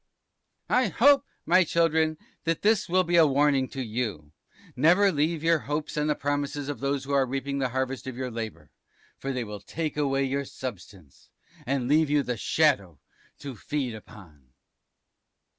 T. I hope my children, this will be a warning to you, never build your hopes on the promises of those who are reaping the harvest of your labour, for they will take away your Substance, and leave you the Shadow to feed upon.